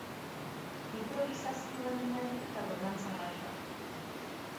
Inprobisazioan oinarritutako dantza bat da.